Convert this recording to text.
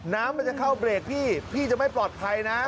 น้ำมันจะเข้าเบรกพี่พี่จะไม่ปลอดภัยนะ